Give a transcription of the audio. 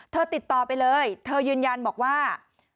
ติดต่อไปเลยเธอยืนยันบอกว่า